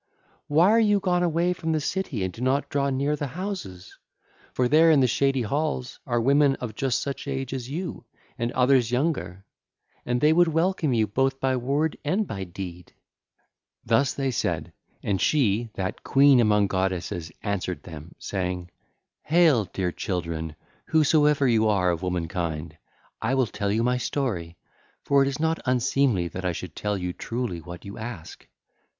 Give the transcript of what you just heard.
Why are you gone away from the city and do not draw near the houses? For there in the shady halls are women of just such age as you, and others younger; and they would welcome you both by word and by deed.' (ll. 118 144) Thus they said. And she, that queen among goddesses answered them saying: 'Hail, dear children, whosoever you are of woman kind. I will tell you my story; for it is not unseemly that I should tell you truly what you ask.